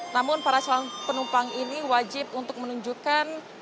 namun para calon penumpang ini wajib untuk menunjukkan